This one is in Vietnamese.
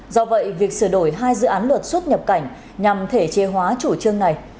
do vậy việc sửa đổi hai dự án luật xuất nhập cảnh nhằm thể chế hóa chủ trương này